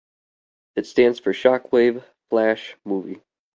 It stands for Shockwave Flash Movie.